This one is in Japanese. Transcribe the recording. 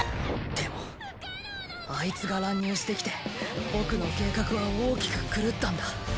でもあいつが乱入してきて僕の計画は大きく狂ったんだ。